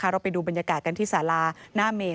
เราไปดูบรรยากาศกันที่สาราหน้าเมน